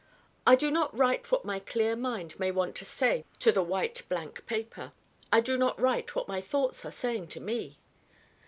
I do not write what my clear Mind may want to say to the white blank paper. I do not write what my thoughts are saying to me.